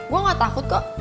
gue gak takut kok